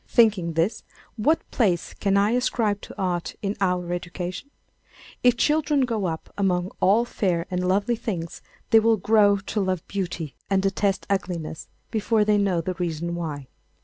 Thinking this, what place can I ascribe to art in our education? If children grow up among all fair and lovely things, they will grow to love beauty and detest ugliness before they know the reason why.